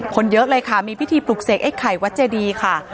คนเยอะเลยค่ะมีพิธีปลุกเสกไอ้ไข่วัดเจดีค่ะ